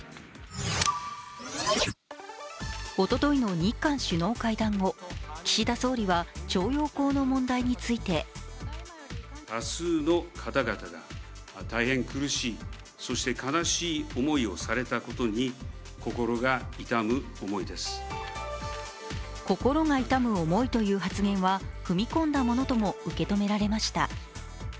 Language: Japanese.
おとといの日韓首脳会談後、岸田総理は徴用工の問題について心が痛む思いという発言は踏み込んだものとも受け止められました。